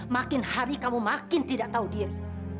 makin hari kamu makin tidak tahu diri